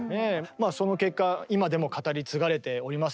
その結果今でも語り継がれておりますけどね